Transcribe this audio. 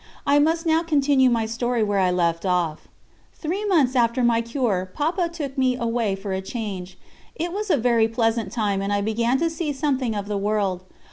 I must now continue my story where I left off. Three months after my cure Papa took me away for a change. It was a very pleasant time, and I began to see something of the world.